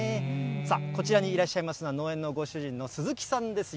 さあ、こちらにいらっしゃいますのは、農園のご主人の鈴木さんです。